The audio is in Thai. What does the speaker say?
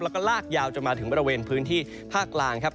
แล้วก็ลากยาวจนมาถึงบริเวณพื้นที่ภาคกลางครับ